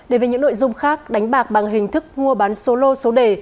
để về những nội dung khác đánh bạc bằng hình thức mua bán solo số đề